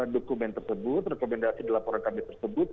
dokumen tersebut rekomendasi di laporan kami tersebut